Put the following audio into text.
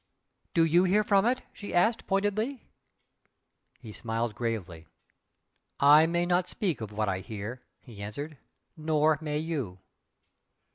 "Do YOU hear from it?" she asked, pointedly. He smiled gravely. "I may not speak of what I hear" he answered. "Nor may you!"